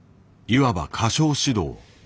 いわば歌唱指導。